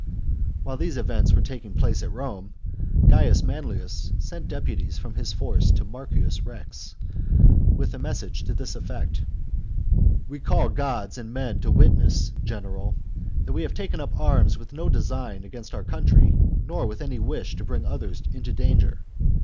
While these events were taking place at Rome, J^Jiar Gains Manlius sent deputies from his force to Marciu: XXXIII. 2S THE CONSPIRACY OF CATILINE. joQuii "^^^^^^^^ message to this effect, —" We call gods and men to witness, general, that we have taken up arms with no designs against our country nor with any wish to bring others into danger.